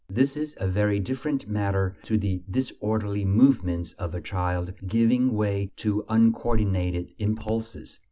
This is a very different matter to the disorderly movements of a child giving way to uncoordinated impulses.